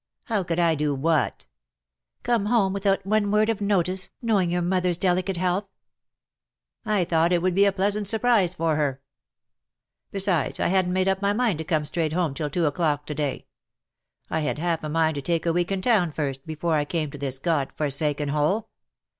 " How could I do what ?"" Come home without one word of notice, know ing your mother^s delicate health.''^ " I thought it would be a pleasant surprise for E 2 LIBRARY 52 '^ LOVE WILL HAVE HIS DAY." her. Besides I hadn't made up my mind to come straight home till two o'clock to day. I had half a mind to take a week in town first, before I came to this God forsaken hole.